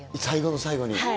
最後の最後に？